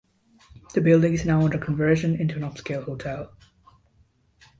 The building is now under conversion into an upscale hotel.